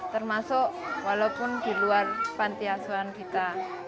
termasuk walaupun di luar pantiasuan kita